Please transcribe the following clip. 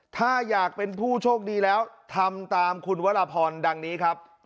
ถ้าอยากเป็นผู้โชคดีแล้วทำตามคุณวรพรดังนี้ครับ